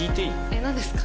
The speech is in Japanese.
えっ何ですか？